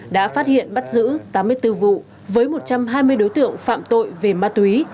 đã phát hiện bắt giữ tám mươi bốn vụ với một trăm hai mươi đối tượng phạm tội về ma túy